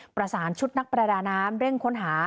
ประสานชุดนักประดาน้ำเร่งค้นหา